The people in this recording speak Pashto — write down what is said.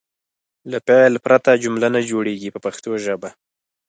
له فعل پرته جمله نه جوړیږي په پښتو ژبه.